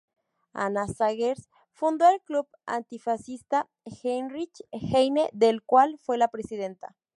Anna Seghers fundó el club antifascista Heinrich Heine, del cual fue la presidenta.